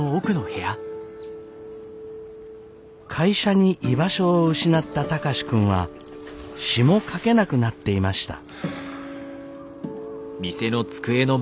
会社に居場所を失った貴司君は詩も書けなくなっていました。